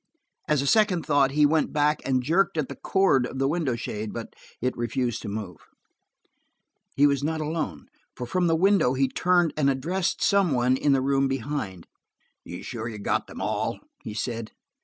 As a second thought, he went back and jerked at the cord of the window shade, but it refused to move. He was not alone, for from the window he turned and addressed some one in the room behind. "You are are sure you got them all?" he said.